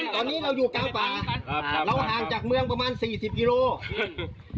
ตอนนี้เราอยู่กลางป่าเราห่างจากเมืองประมาณสี่สิบกิโลกรัม